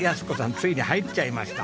ついに入っちゃいました。